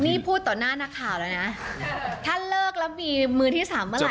นี่พูดต่อหน้านักข่าวแล้วนะถ้าเลิกแล้วมีมือที่สามเมื่อไห